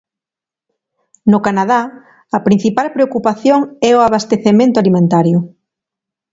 No Canadá, a principal preocupación é o abastecemento alimentario.